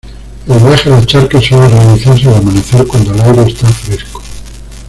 El viaje a la charca suele realizarse al amanecer cuando el aire está fresco.